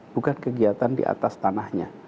bukan kegiatan di atas tanahnya